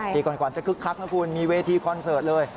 ปีก่อนจะคึกคักนะคุณมีเวทีคอนเสิร์ตเลย